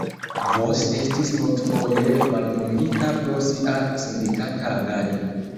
Vos estis multfoje maldungita pro sia sindikata agado.